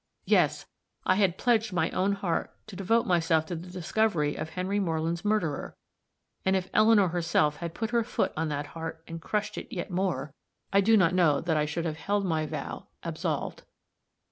Yes! I had pledged my own heart to devote myself to the discovery of Henry Moreland's murderer; and if Eleanor herself had put her foot on that heart, and crushed it yet more, I do not know that I should have held my vow absolved.